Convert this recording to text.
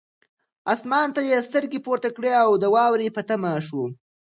اسمان ته یې سترګې پورته کړې او د واورې په تمه شو.